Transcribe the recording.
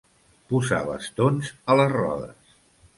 Posar bastons a les rodes.